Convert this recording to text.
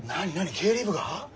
経理部が？